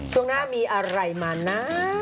ช่วงหน้ามีอะไรมานะ